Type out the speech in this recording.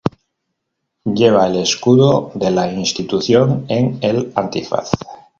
Lleva el escudo de la institución en el antifaz.